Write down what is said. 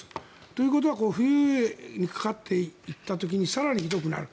ということは冬にかかっていった時に更にひどくなる。